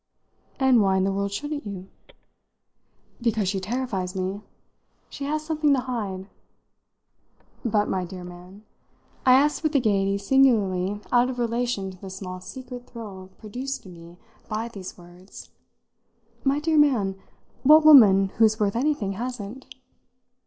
"And why in the world shouldn't you?" "Because she terrifies me. She has something to hide." "But, my dear man," I asked with a gaiety singularly out of relation to the small secret thrill produced in me by these words "my dear man, what woman who's worth anything hasn't?"